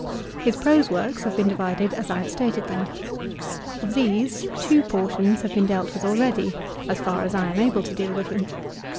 His prose works have been divided as I have stated them. Of these, two portions have been dealt with already, as far as I am able to deal with them.